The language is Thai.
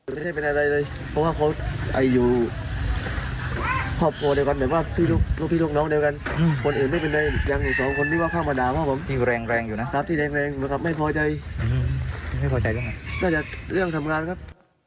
บอกวันนี้ว่าคิดแรงที่แรงก็ไม่พอใจอีกก็เรื่องทำงานครับ